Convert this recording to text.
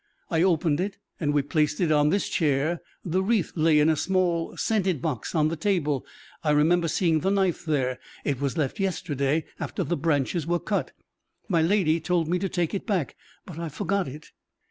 I opened it, and we placed it on this chair: the wreath lay in a small scented box on the table. I remember seeing the knife there; it was left yesterday after the branches were cut. My lady told me to take it back, but I forgot it."